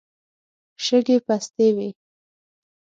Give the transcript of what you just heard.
شګې پستې وې.